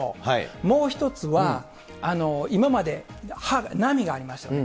もう１つは、今まで波がありましたよね。